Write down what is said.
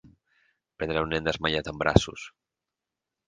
Prendre un nen desmaiat en braços.